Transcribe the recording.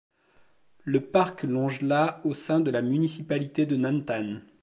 Le parc longe la au sein de la municipalité de Nantan.